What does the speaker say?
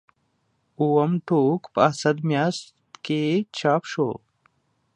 اووم ټوک په اسد میاشت کې چاپ شو.